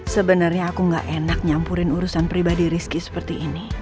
sebenarnya aku gak enak nyampurin urusan pribadi rizky seperti ini